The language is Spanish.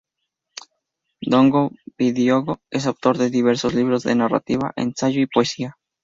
Ndongo-Bidyogo es autor de diversos libros de narrativa, ensayo y poesía.